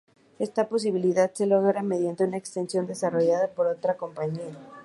Esta posibilidad se logra mediante una extensión desarrollada por otra compañía.